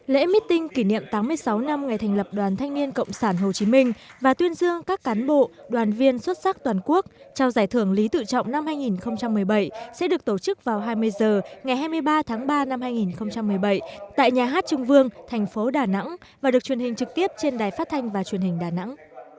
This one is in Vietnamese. lễ meeting kỷ niệm tám mươi sáu năm ngày thành lập đoàn thanh niên cộng sản hồ chí minh và tuyên dương các cán bộ đoàn viên xuất sắc toàn quốc trao giải thưởng lý tự trọng năm hai nghìn một mươi bảy sẽ được tổ chức vào hai mươi h ngày hai mươi ba tháng ba năm hai nghìn một mươi bảy tại nhà hát trưng vương thành phố đà nẵng và được truyền hình trực tiếp trên đài phát thanh và truyền hình đà nẵng